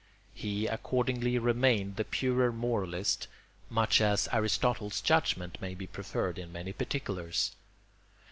He accordingly remained the purer moralist, much as Aristotle's judgment may be preferred in many particulars.